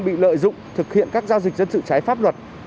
bị lợi dụng thực hiện các giao dịch dân sự trái pháp luật